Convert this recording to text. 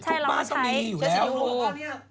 ทุกบ้านต้องมีอยู่แล้วดู